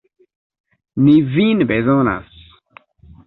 Ni vin bezonas!